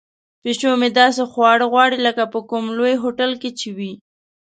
پیشو مې داسې خواړه غواړي لکه په کوم لوی هوټل کې چې وي.